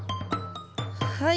はい。